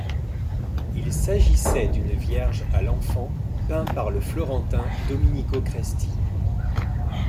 Il s'agissait d'une Vierge à l'enfant peint par le florentin Dominico Cresti.